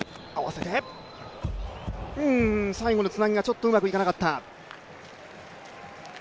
最後のつなぎがちょっとうまくいかなかった。